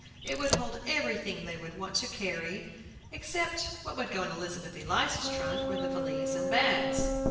It would hold everything they would want to carry, except what would go in Elizabeth Eliza's trunk, or the valise and bags.